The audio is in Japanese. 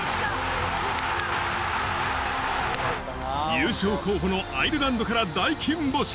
優勝候補のアイルランドから大金星。